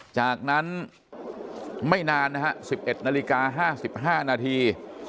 จากนั้นไม่นานนะฮะ๑๑นาฬิกา๕๕นาที